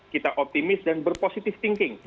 kita optimis dan berpositif thinking